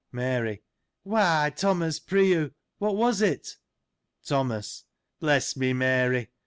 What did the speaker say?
Mary. — Why, Thomas, pr'y you, what was it ? Thomas. — Bless me, Mary!